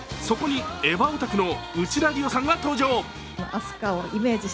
そこにエヴァオタクの内田理央さんが登場。